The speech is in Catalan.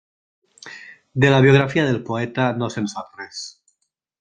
De la biografia del poeta no se'n sap res.